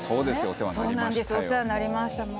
お世話になりましたよ